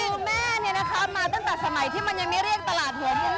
คือแม่เนี่ยนะคะมาตั้งแต่สมัยที่มันยังไม่เรียกตลาดหัวมุม